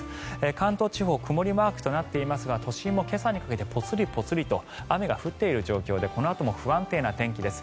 関東地方曇りマークとなっていますが都心も今朝にかけてぽつりぽつりと雨が降っている状況でこのあとも不安定な状況です。